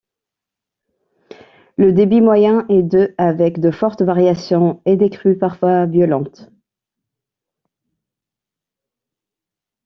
Le débit moyen est de avec de fortes variations et des crues parfois violentes.